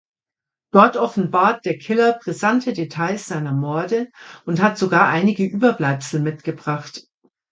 Dort offenbart der Killer brisante Details seiner Morde und hat sogar einige Überbleibsel mitgebracht.